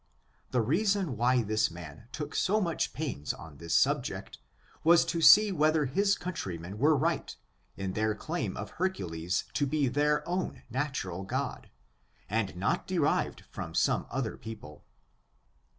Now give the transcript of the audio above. The reason why this man took so much pains on this subject, was to see whether \iis coun trymen were right, in their claim of Hercules to be their own natural god, and not derived from some other people.